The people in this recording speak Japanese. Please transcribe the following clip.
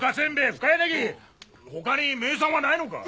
他に名産はないのか？